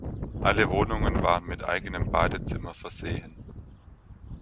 Alle Wohnungen waren mit eigenem Badezimmer versehen.